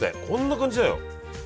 こんな感じだよ。